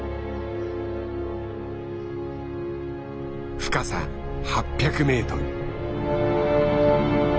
深さ８００メートル。